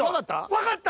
分かった。